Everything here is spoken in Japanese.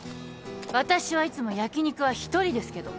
私はいつも焼き肉は一人ですけど。